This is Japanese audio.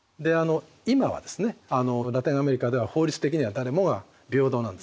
今はですねラテンアメリカでは法律的には誰もが平等なんですね。